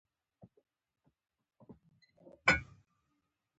ډاکټر ویل چې ملا دې نسبتاً نرۍ ده.